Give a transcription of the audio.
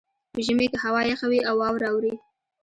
په ژمي کې هوا یخه وي او واوره اوري